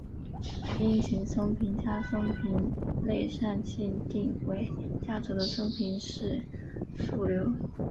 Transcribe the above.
樱井松平家松平内膳信定为家祖的松平氏庶流。